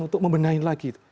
untuk membenahi lagi